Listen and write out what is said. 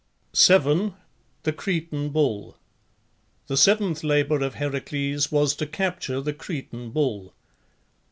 7. THE CRETAN BULL. The seventh labour of Heracles was to capture the Cretan bull.